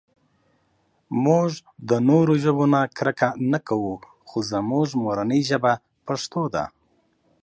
مونږ د نورو ژبو نه کرکه نهٔ کوؤ خو زمونږ مورنۍ ژبه پښتو ده